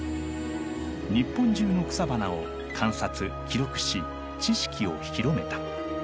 日本中の草花を観察記録し知識を広めた。